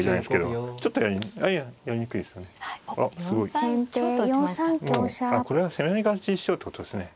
もうあこれは攻め合い勝ちにしようってことですね。